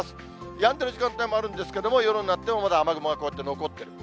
やんでる時間帯もあるんですけれども、夜になってもまだ雨雲がこうやって残ってる。